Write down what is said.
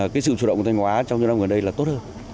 cái sự chủ động của thanh hóa trong những năm gần đây là tốt hơn